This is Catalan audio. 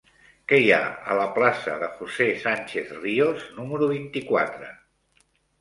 Què hi ha a la plaça de José Sánchez Ríos número vint-i-quatre?